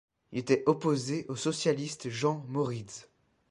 Il était opposé au socialiste Jean Moritz.